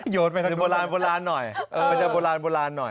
โยนไปครับดูอ่ามันจะโบราณหน่อย